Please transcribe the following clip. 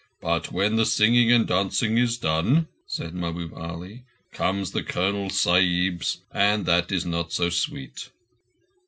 "But, when the singing and dancing is done," said Mahbub Ali, "comes the Colonel Sahib's, and that is not so sweet."